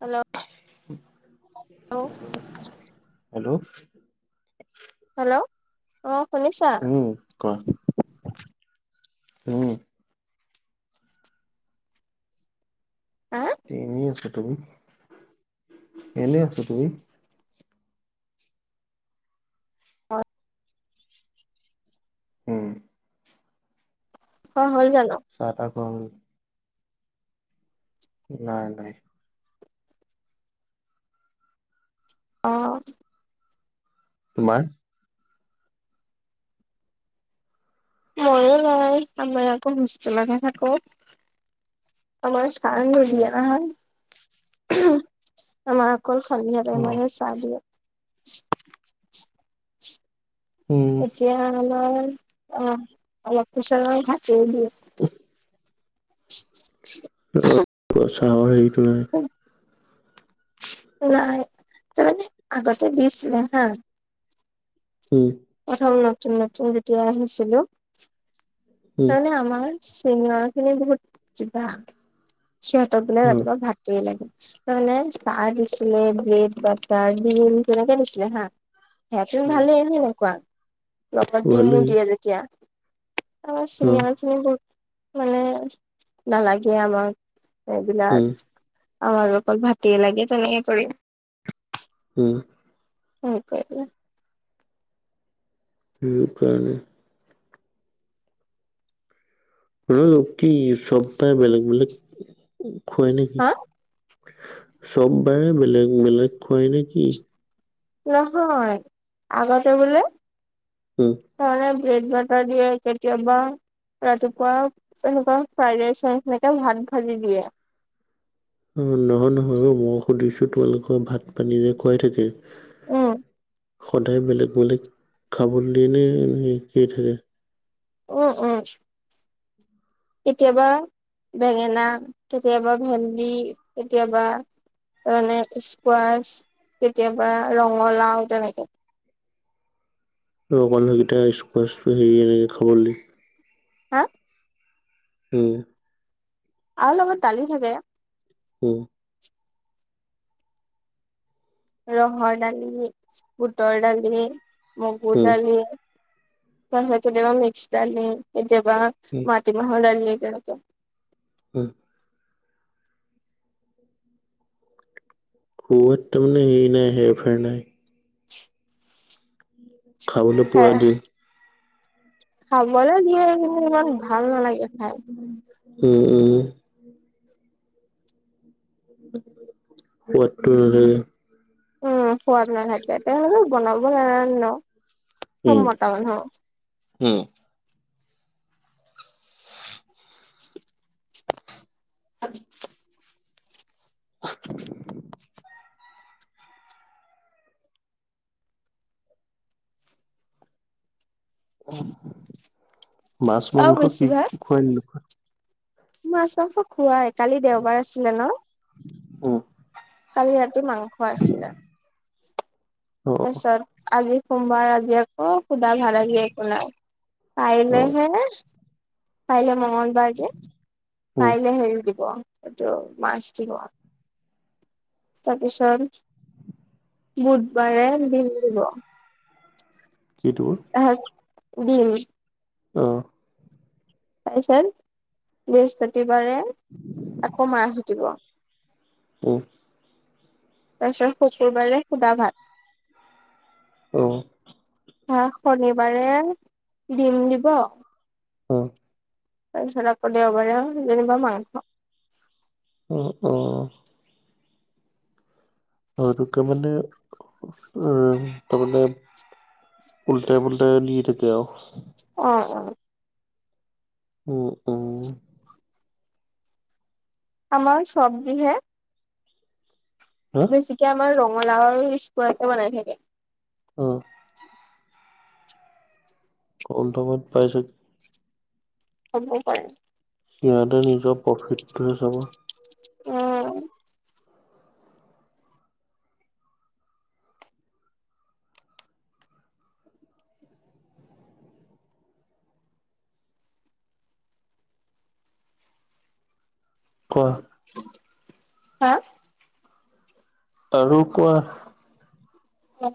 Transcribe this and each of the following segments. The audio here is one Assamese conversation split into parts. হেল্ল' হেল্ল' হেল্ল' অ শুনিছা কফ উম হা এনেই আছো তুমি এনেই আছ তুমি হয় উম অ হয় জান চাৰকম নাই নাই অঁ তোমাৰ ময়ো নাই আমি আকৌ সুস্থ্ত লগা থাকো আমাৰ সানান হ দিয় ন আমাৰ কল খালি অ হ মেশ চালীয়ে উম এতিয়া আমাৰ অ অলপ খোচাৰৰ হাট উল আছে ত [inaudible] চাহৰ হেৰিটো নাই উ নাই ত মানে আগতে দিচ নে হা হম প্ৰথম নতুন নতুন যেতিয়া আহিছিলো উম তণে আমাৰ চনো খিনি বহুত কিবা সিহঁতৰ বিিললে অ ৰাতিপুৱা ভাত ত লাগে তাৰমানে চাহ দিছিলে ব্ৰেড বাটাৰ ডন কেনেকে দিছিলে হা সে পন ভালেইনেকুৱা লগত দি মোৰ ভালেই দিয়ে যেতিয়া আ অ চিিনিয়েল খিনি বহুত মানে নালাগে আমাক এইবিলাক উম আমাক অকল ভতিে লাগে তেনেকে কৰিম উম স কে স কাৰণে ৰ কি চব পাই বেলেগ বেলেগ খুৱাই নেকি হা চব বাৰে বেলেগ বেলেগ খুৱায় নেকি নহয় আগতে বোলে উম তান ব্ৰেড বটাৰ দ হয় চতিয়া বা ৰাতিপুৱা এনেকুৱা ফ্ৰাইড ৰাইচ ৰাই এেনেকে ভাত ভাজি দিয়ে অ নহয় নহয় মই সুধিছো তোমালোকৰ ভাত পানী যে খুৱাই থাকে উম সদায় বেলেগ বেলেগ খাব দিয়ে নে শিক থাকে উ উম কেতিয়াবা বেঙেনা কেতিয়াবা ভেন্দি কেতিয়াবা মানে স্কোৱাাচ কেতিয়াবা ৰঙালাও তেনেকে আৰু অক মমানুহকেই স্কোৱাচো হেৰি এনেক খাবলৈ হা? উম। আৰু লগত দালি থাকে। উ। ৰহ ডালি, বুটল ডালি, মগুৰ উম, ডালি কেতিয়াবা মিক্স দালি, কেতিয়াবা উম, মাটিমাহল দালি তেনে উ। ক'ত তাৰ মানে এই নাই, হেৰফেৰ নাই। খাবলৈ পুৰা দি খাবলৈ দিয়ে, কিন্তু ইমান ভাল নালাগে খাই। উম, উম। সোৱাদটো নাথাকে। উম, সোৱাদ নাথাকে, ইহঁতে বনাব নাজানে নহ, চব উম, মতা মানুহ। উম। [inaudible] মাছ আৰু মাংস কি, বেছিভাগ কি খুৱাই বোলো। মাছ, মাংস খোৱাই, কালি দেওবাৰ আছিলে ন। উম। কালি ৰাতি মাংস আছিলে। অ', তাৰপিছত আজি সোমবাৰ, আজি অ, শুদা ভাত আজি একো নাই, অ', কাইলেহে, কাইলে মংগল বাৰ যে, উম। কাইলৈ হেৰি দিব, এইটো মাছ দিব। তাৰপিছত, বুধবাৰে বিন দিব। [inaudible] অহ, দিম। অহ। তাৰ পিছত বৃহস্পতিবাৰে [inaudible] আকৌ মাছ দিব। উম। তাৰপিছত শুকুৰবাৰে শুদা ভাত। অহ। অহ, শনিবাৰে দিম দিব। অহ। তাৰপিছত আক' দেওবাৰে যেনিবা মাংস। অ', অ'। অ, এইটোকে মানে উ তাৰমানে উলটাই, পুলটাই নি থাকে আৰু। অ', অ'। উম, উম। আমাৰ চবজি হে হা? বেছিকে আমাৰ ৰঙালাও [unintelligible] বনাই থাকে। অহ। কম দামত পাইছে। হ'বও পাৰে। সিহঁতে নিজৰ প্ৰফিটহে চাব। উম। কোৱা। হা? আৰু কোৱা? উম।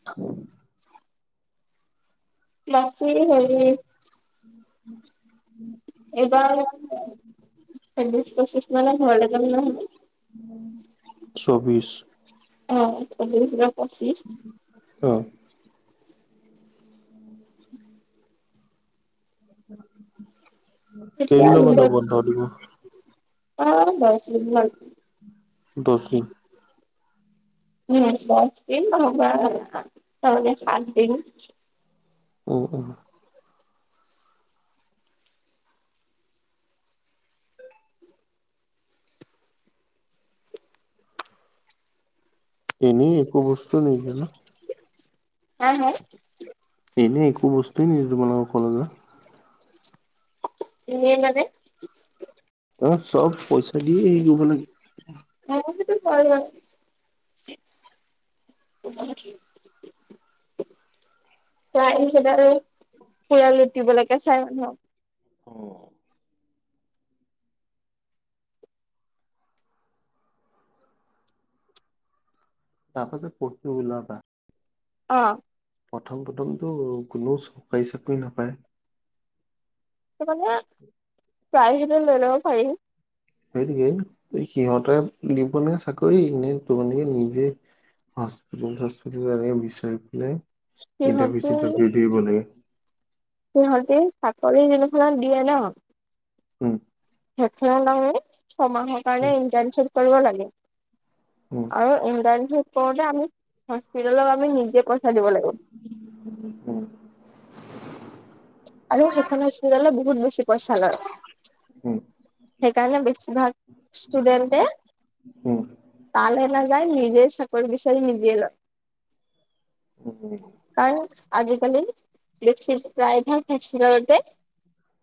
[inaudible] বাকি হেৰি। [inaudible] এইবাৰ ছবিছ পছিছ মানে ঘৰলে যাম। [unintelligible] চৌবিছ। অ', চৌবিশ বা পঁচিছ। অ কেইদিনা মানে বন্ধ দিব অ বছ বখিং উম ব দিিনন খ দিন অঁ অঁ এনেই একো বস্তু নে জানো হ হ এনেই একো বস্তুৱেই নিেদ তোমালোক কলেজত নননানে ত চব পইচা দিিয় গব লাগে ম সটো ভ ল ভ আ চাই সেইব আৰু পুৰা লুটিবলৈকে চাই মানুহক অ তাৰপাছ পু উওলা অ প্ৰথম প্ৰথমটো কোননেও চকী চাকৰি নাপায় মানে প্ৰায়হিলে লৈ লব পাৰিহি সেইটোোকে সিহঁতে দিবনে চাকৰি নে তানকে নিজে হ্পি চ বিচাৰি পেলাই ইণ্টাৰভিউ সিহঁতি চিটাৰভিউ ধৰিব লাগে সিহঁতি চাকৰি নিখনা দিয়ে ন উম সে ছমাহৰ কাৰণে ইন্টাৰ্নশ্বিপ কৰিব লাগে উম আৰু ইণ্ডাইে কৰোতে আমি হস্পিত আমি নিজে পইচা দিব লাগিব [inaudible] আৰু সেইখন হস্পিটালত বহুত বেছি পইচা লয় উম সেইকাৰণে বেছিভাগ ষ্টুডেণ্টে তালে নাযায় নিজে চাকৰি বিচাৰি নিজে লয় উম কাৰণ আজ কালি দেছ প্ৰায় ভাগ খছিলতে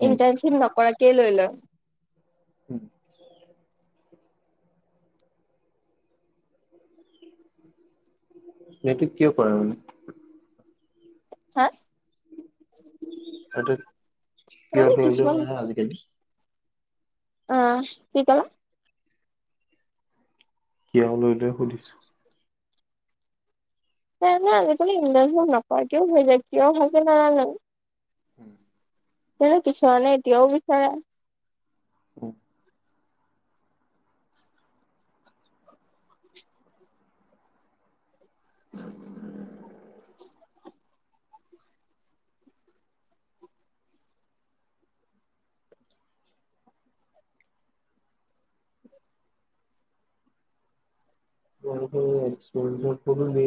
ইণ্টাৰ্ণশ্বিপ নকৰাকেইে লৈ লো উম সেইটো কিয় কৰে মানে হা এইটো কিয় মানে কৰিলে কিছুমান নয় আজিকালি অ কি কলা শিয়াল লৈ লৈ সুধিছো [inaudible] সে আজিকালি ইব নকৰেৰাকিয় হৈ যায় কিয় ভে নাজানো হম তেনে পছৰ নে এতিয়াও বিচাৰে উম, উ, উ, [inaudible] [unintelligible] একপ নি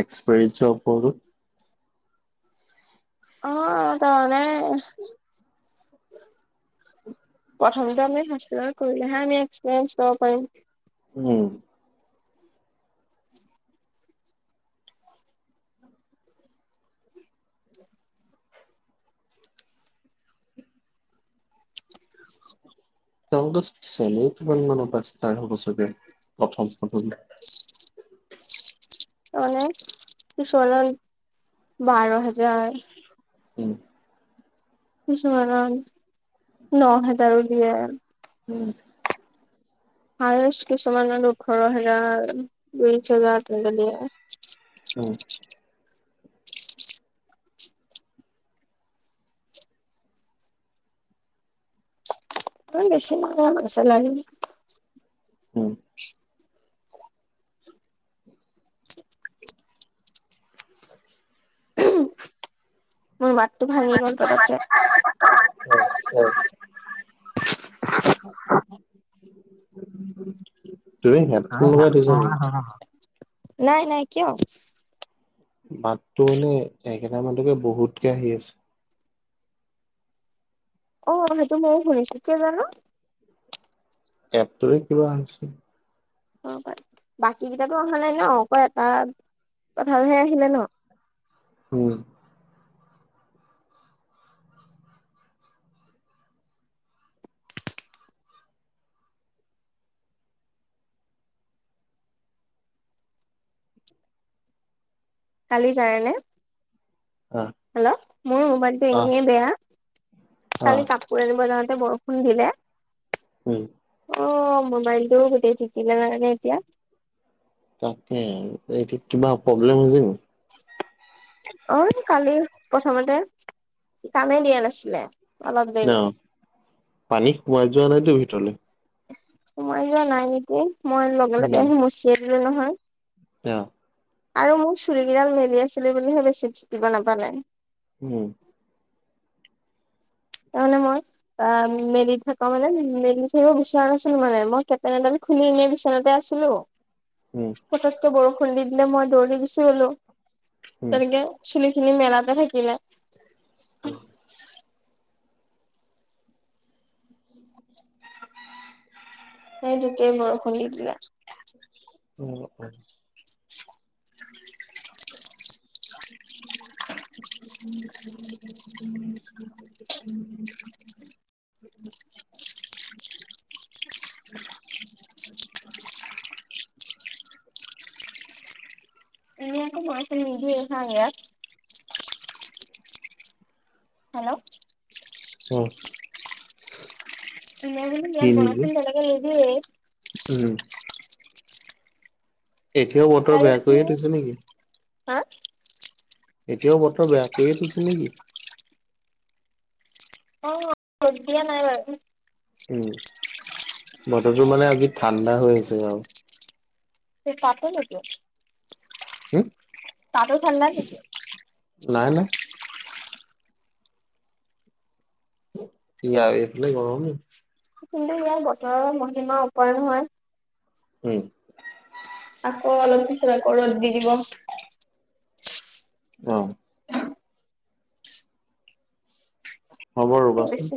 একসপৰিছপত অ', তানে প্ৰথমতে আমি ফ কৰিলেহে আম একসয়েঞ্চ লব পাৰিম উম, তেওঁলোকৰ চেনেল কিমান মানৰ পৰা ষ্টাৰ হব চাগে প্ৰথম প্ৰথম মানে পিছলৈ বাৰ হাজাৰ উম, কিছুমানৰ ন হেজাৰও দিয়ে উম, হায়েষ্ট কিছুমান ওঠৰ হেজাৰ বিশ হোজাৰ তেনেকে দিয়ে হম, [unintelligible] উম [inaudible] মোৰ মতটো ভাঙি গ'ল পতককে হয়। [unintelligible] তুমি হেডফোন লগাই থৈছা নেকি নাই, নাই, কিয়? মাতটো মানে একেটা মানকে বহুতকে আহি আছে অ', সেইটো ময়ো শুনিছো কিয় জানো এপটোৰে কিবা হৈছে বাকী কেইটো অহা নাই ন, অক এটা কথাহে আহিলে ন হম, কালি যায় ন? অ', হেল্ল' মোৰ মোবাইলটো এনেই বেয়া আহ কালি [unintelligible] আনিব যাওঁতে বৰষুণ দিলে উম, অ', মোবাইলটো গোটেই জিকিলে জাননে এতিয়া তাকে, এইটো কিবা প্ৰব্লেম হৈছে নেকি? অ', কালি প্ৰথমতে কামেই দিয়া নাছিলে অলপ ন দেৰি পানী সোমাই যোৱা নাইতো ভিতৰলে সোমাই যোৱা নাই নেকি, মই লগে উম লগে আহি মচিয দিলো নহয় অ', - আৰু মোৰ চুৰিকেইডাল মেলি আছিলি বুলিহে বেছি চিকিব নাপালে উম, [unintelligible] অ', মেলি থাকা মানে মেলি থাকিব বিচৰা নাছিলো মানে মই কেপেনেটাম খুলি পিনে বিচনাতে আছিলো হম, পটাতকৈ বৰষুণ দি দিলে মই দৌৰি গুচি গলো উম তেনেকে চুলি খিনি মেলাতে থাকিলে উম, সেই তেতিয়াই বৰষুণ দি দিলে উম, উম, [unintelligible] [inaudible] উম, উম, উম। [inaudible] এনেইটো বৰষুণ নিদিয়ে ইয়াত। হেল্ল'? হম। মই মানো ইয়াত বনাচোন তেনেকে এৰি দিয়ে। উম। এতিয়াও ব কালি হা এতিয়াও বতৰ বেয়া কৰিয়ে থৈছিল নেকি। অ, খ দিয়া নাই বাৰু। উম, বতৰটো মানে আজি ঠাণ্ডা হৈ আছে আৰু। তে পাত নকিয় হম? তাটো ঠাণ্ডা নেকি। নাই, নাই। ই, আ এ, নাই গ ন কিন্তু ইয়াৰ বতৰৰ মহিমা ওপৰে নহয়। উম। আকৌ অলম্পিছা ৰ'দ দি দিব। অ'। হ'ব ৰ'বাচোন। বেছি